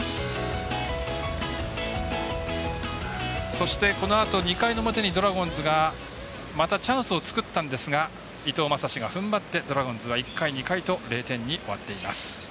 そして、このあと２回の表にドラゴンズがまたチャンスを作ったんですが伊藤将司がふんばってドラゴンズは１回、２回と０点に終わっています。